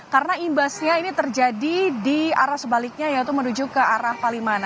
karena imbasnya ini terjadi di arah sebaliknya yaitu menuju ke arah palimana